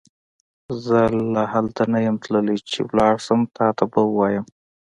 زه لا هلته نه يم تللی چې لاړشم تا ته به وويم